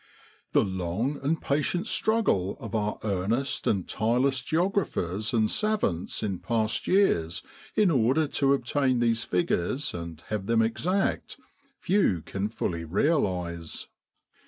The long and patient struggle of our earnest and tireless geographers and savants in past years in order to obtain these figures and have them exact, few can fully realize.